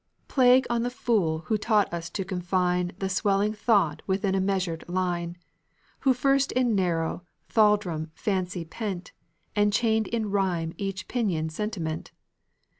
Plague on the fool who taught us to confine The swelling thought within a measured line; Who first in narrow thraldom fancy pent, And chained in rhyme each pinioned sentiment.